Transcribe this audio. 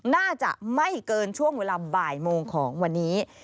น่าจะไม่เกินช่วงเวลาบ่ายโมงของวันนี้